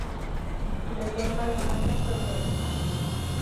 El retorno a Alemania fue breve.